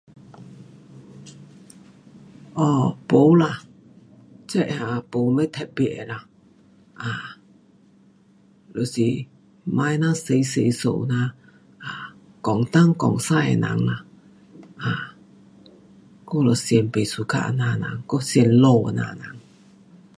um 没啦，这哈，没什么特别的啦，um 就是别啊呐多多事呐，um 东讲西的人啦，um 我最不喜欢这样的人。我最气这样的人。